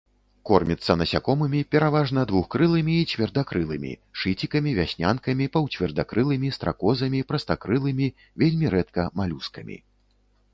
Корміцца насякомымі, пераважна двухкрылымі і цвердакрылымі, шыцікамі, вяснянкамі, паўцвердакрылымі, стракозамі, прастакрылымі, вельмі рэдка малюскамі.